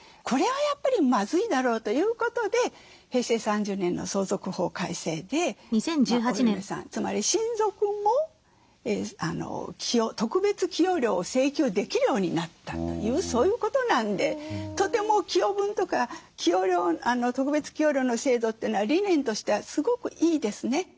これはやっぱりまずいだろうということで平成３０年の相続法改正でお嫁さんつまり親族も特別寄与料を請求できるようになったというそういうことなんでとても寄与分とか特別寄与料の制度というのは理念としてはすごくいいですね。